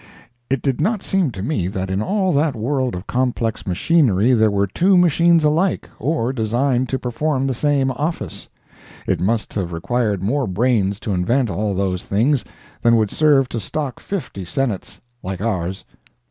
It did not seem to me that in all that world of complex machinery there were two machines alike, or designed to perform the same office. It must have required more brains to invent all those things than would serve to stock fifty Senates like ours.